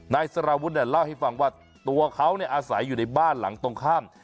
นายสารวุฒิเนี่ยเล่าให้ฟังว่าตัวเขาอาศัยอยู่ในบ้านหลังตรงข้าม